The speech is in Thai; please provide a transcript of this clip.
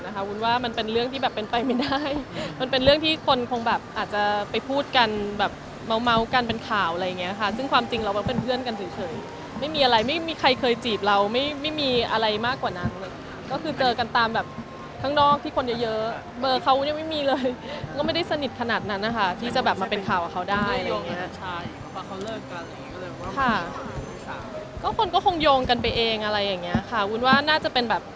ก็คนก็คงโยงกันไปเองอะไรอย่างนี้ค่ะวุ้นว่าน่าจะเป็นแบบ